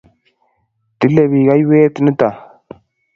Tilei biich aywet nito